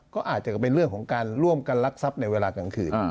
ก็อาจจะเป็นเรื่องของการร่วมกันลักทรัพย์ในเวลากลางคืน